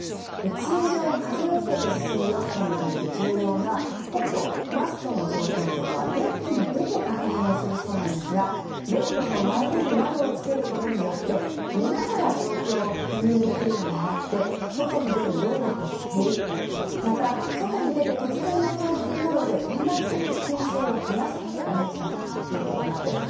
通常、風を受けて進むヨットにとって重要な帆とマストの状況というのはデッキに出て確認するそうですがベッドの真上に窓をつけることによって寝ながら状況を確認できるようになって外に出る労力も減りまた、外に出て突然の強風などで転落する危険性を減らすことができたということなんです。